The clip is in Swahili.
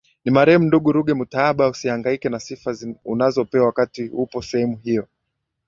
ni marehemu ndugu Ruge mutahaba Usihangaike na sifa unazopewa wakati upo sehemu hiyo